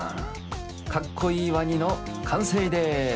かっこいいワニのかんせいです。